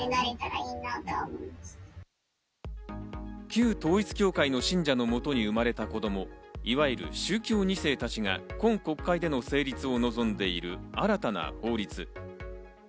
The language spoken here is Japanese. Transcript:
旧統一教会の信者のもとに生まれた子供、いわゆる宗教二世たちが今国会での成立を望んでいる新たな法律。